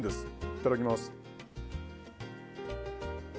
いただきます。